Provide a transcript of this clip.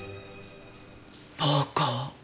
暴行。